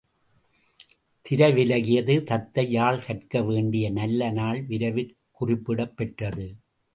திரை விலகியது தத்தை யாழ் கற்க வேண்டிய நல்ல நாள் விரைவிற் குறிப்பிடப் பெற்றது.